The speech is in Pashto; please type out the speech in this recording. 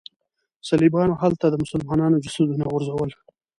صلیبیانو هلته د مسلمانانو جسدونه غورځول.